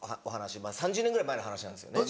３０年ぐらい前の話なんですよね。